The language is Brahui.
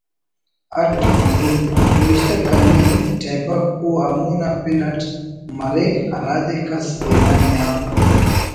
اٹ (مرحوم) نوشتہ کننگ ٹہپک او ہمو نا پن اٹ مریک ہرادے کس تینا نیام